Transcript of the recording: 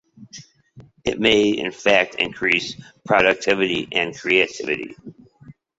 It may, in fact, increase productivity and creativity.